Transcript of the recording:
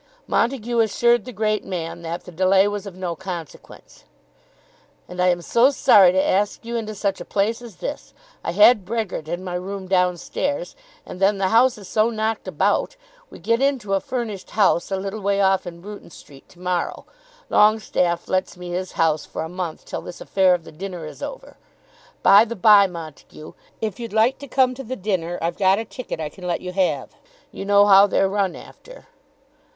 Montague assured the great man that the delay was of no consequence. "And I am so sorry to ask you into such a place as this. I had Brehgert in my room down stairs, and then the house is so knocked about! We get into a furnished house a little way off in Bruton Street to morrow. Longestaffe lets me his house for a month till this affair of the dinner is over. By the bye, Montague, if you'd like to come to the dinner, I've got a ticket I can let you have. You know how they're run after."